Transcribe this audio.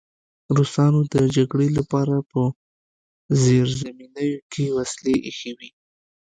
روسانو د جګړې لپاره په زیرزمینیو کې وسلې ایښې وې